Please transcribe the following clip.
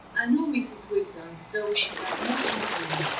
I know Mrs. Wilton, though she does not remember me.